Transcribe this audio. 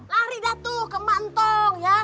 lari datu ke mantong ya